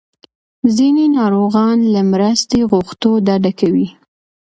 ځینې ناروغان له مرستې غوښتو ډډه کوي.